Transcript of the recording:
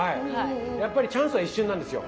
やっぱりチャンスは一瞬なんですよ。